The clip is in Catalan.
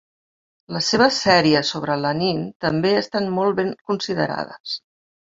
Les seves sèries sobre Lenin també estan molt ben considerades.